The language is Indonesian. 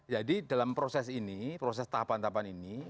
dalam proses ini proses tahapan tahapan ini